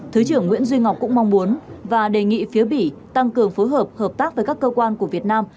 thứ trưởng nguyễn duy ngọc cũng mong muốn và đề nghị phía bỉ tăng cường phối hợp hợp tác với các cơ quan của việt nam